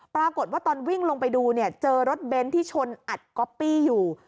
ปรากฏว่าตอนวิ่งลงไปดูเนี่ยเจอรถเบนท์ที่ชนอัดก๊อปปี้อยู่